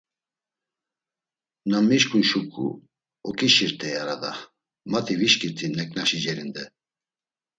Na mişǩun şuǩu, oǩişirt̆ey arada, mati vişǩirt̆i neǩnaşi cerinde.